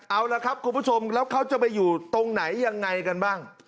เอาละครับคุณผู้ชมแล้วเขาจะไปอยู่ตรงไหนยังไงกันบ้าง